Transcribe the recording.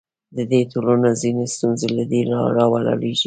د دې ټولنو ځینې ستونزې له دې راولاړېږي.